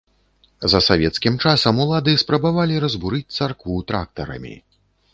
За савецкім часам улады спрабавалі разбурыць царкву трактарамі.